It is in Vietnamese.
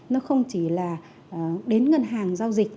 nó không chỉ là đến ngân hàng giao dịch